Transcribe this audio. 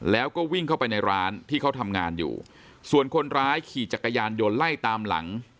แล้วก็วิ่งเข้าไปในร้านที่เขาทำงานอยู่ส่วนคนร้ายขี่จักรยานยนต์ไล่ตามหลัง